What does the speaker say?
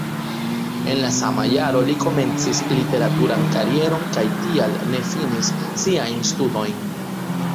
En la sama jaro li komencis literaturan karieron kaj tial ne finis siajn studojn.